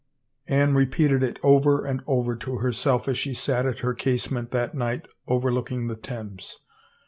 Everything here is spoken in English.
Anne repeated it over and over to her self as she sat at her casement that night over looking the Thames.